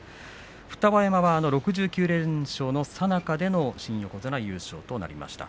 双葉山は６９連勝のさなかでの新横綱優勝となりました。